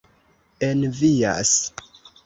envias